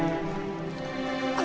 kau khawatir pada romain